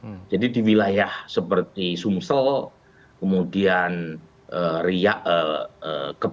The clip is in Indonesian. tetapi di wilayah sumatera kemudian kebri babel jambi bahkan lampung prabowo subianto menguasai wilayah wilayah sumatera bagian selatan ke bawah